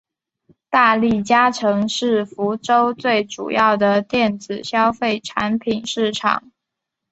大利嘉城是福州最主要的电子消费产品市场。